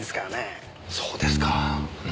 そうですかぁ。